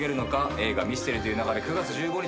映画『ミステリと言う勿れ』９月１５日公開です。